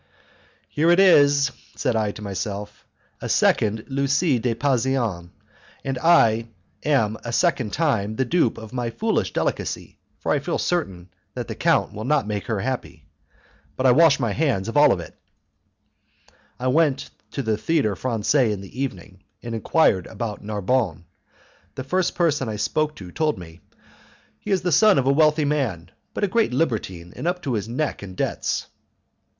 "Here is," said I to myself, "a second Lucie de Pasean, and I am a second time the dupe of my foolish delicacy, for I feel certain that the count will not make her happy. But I wash my hands of it all." I went to the Theatre Francais in the evening, and enquired about Narbonne. The first person I spoke to told me, "He is the son of a wealthy man, but a great libertine and up to his neck in debts."